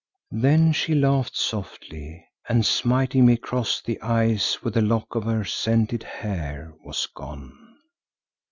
"Then she laughed softly and smiting me across the eyes with a lock of her scented hair, was gone.